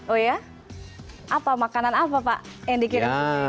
oh ya apa makanan apa pak yang dikirim